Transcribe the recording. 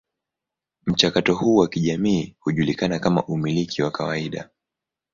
Mchakato huu wa kijamii hujulikana kama umiliki wa kawaida.